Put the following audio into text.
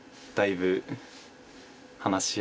だいぶ。